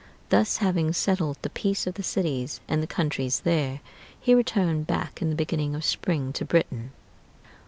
Thus, having settled the peace of the cities and the countries there, he returned back in the beginning of spring to Britain.